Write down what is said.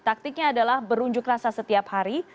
taktiknya adalah berunjuk rasa setiap hari